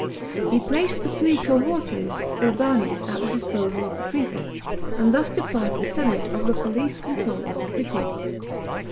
He placed the three cohortes urban* at the disposal of the prefect, and thus deprived the senate of the police control of the city.